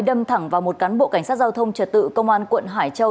đâm thẳng vào một cán bộ cảnh sát giao thông trật tự công an quận hải châu